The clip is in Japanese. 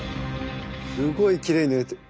すごいきれいに塗れてる。